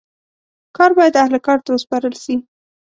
کار باید اهل کار ته وسپارل سي.